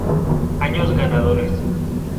Años ganadores